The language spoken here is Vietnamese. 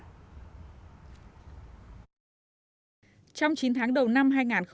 trong chín tháng đầu năm hai nghìn một mươi sáu